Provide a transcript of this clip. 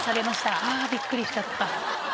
うん。ああびっくりしちゃった。